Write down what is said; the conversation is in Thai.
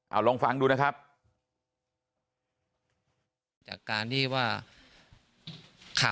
เอาลองฟังดูนะครับ